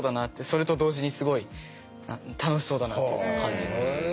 それと同時にすごい楽しそうだなっていうのは感じました。